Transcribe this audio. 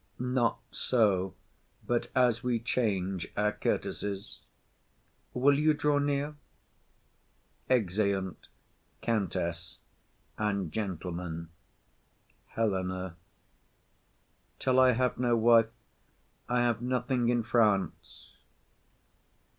Not so, but as we change our courtesies. Will you draw near? [Exeunt Countess and Gentlemen.] HELENA. "Till I have no wife, I have nothing in France."